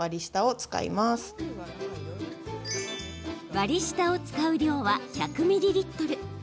割り下を使う量は１００ミリリットル。